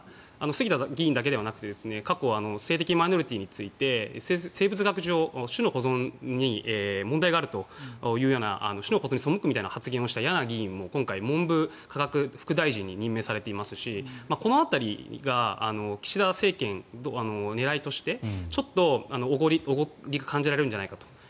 杉田議員だけではなくて過去性的マイノリティーについて生物学上、種の保存に問題があるというような背くというような発言をした議員も今回、文部科学副大臣に任命されていますしこの辺りが岸田政権の狙いとしてちょっとおごりに感じられるんじゃないかと。